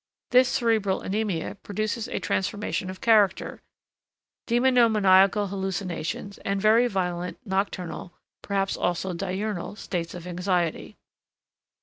This cerebral anæmia produces a transformation of character, demonomaniacal hallucinations, and very violent nocturnal, perhaps also diurnal, states of anxiety.